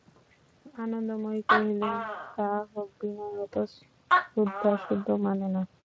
আনন্দময়ী কহিলেন, তা হোক, বিনয় অত শুদ্ধাশুদ্ধ মানে না।